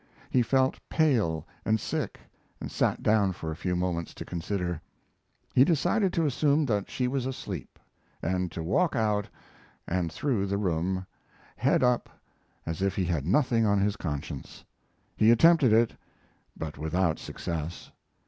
He felt pale and sick, and sat down for a few moments to consider. He decided to assume that she was asleep, and to walk out and through the room, head up, as if he had nothing on his conscience. He attempted it, but without success.